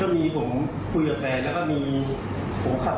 เกือบทีผมคุยกับแฟนแล้วก็มีขับขาล